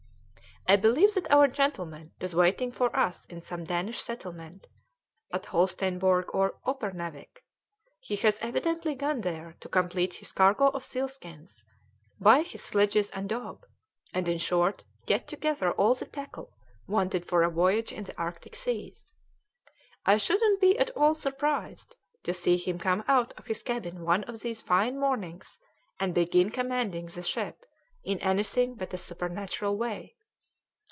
I believe that our gentleman is waiting for us in some Danish settlement at Holsteinborg or Uppernawik; he has evidently gone there to complete his cargo of sealskins, buy his sledges and dog, and, in short, get together all the tackle wanted for a voyage in the Arctic Seas. I shouldn't be at all surprised to see him come out of his cabin one of these fine mornings and begin commanding the ship in anything but a supernatural way."